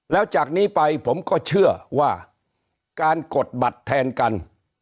แล้วจากนี้ไปผมก็เชื่อว่าการกดบัตรแทนกัน